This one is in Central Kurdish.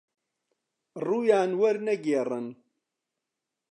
ڕوویان وەرنەگێڕن